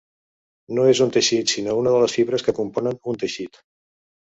No és un teixit sinó una de les fibres que componen un teixit.